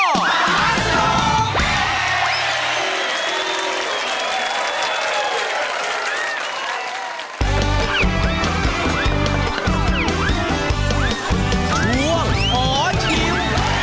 ช่วงขอชิม